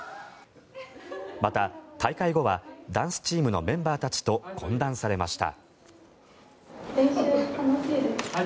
また、大会後はダンスチームのメンバーたちと懇談されました。